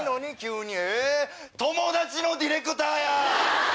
友達のディレクターや！